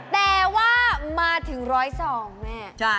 แต่ว่ามาถึง๑๐๒แม่